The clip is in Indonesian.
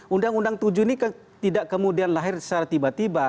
undang undang tujuh ini tidak kemudian lahir secara tiba tiba